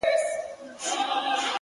o چي بيا ترې ځان را خلاصولای نسم ـ